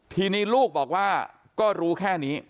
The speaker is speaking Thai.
ทีนี้ลูกบอกว่าก็รู้แค่นี้